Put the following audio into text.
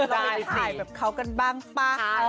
จะไปถ่ายแบบเขากันบ้างป่ะ